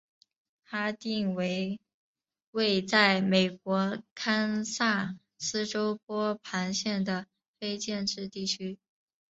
哈定为位在美国堪萨斯州波旁县的非建制地区。